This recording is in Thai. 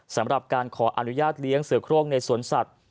สำหรับการขออนุญาตเลี้ยงเสือโครงในสวนสัตว์